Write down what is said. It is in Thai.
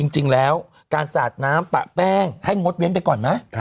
จริงแล้วการสาดน้ำปะแป้งให้งดเว้นไปก่อนไหม